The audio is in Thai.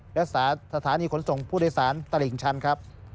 และสถานีขนส่งผู้โดยสารตลิ่งชันครับ